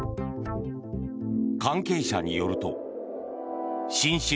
関係者によると紳士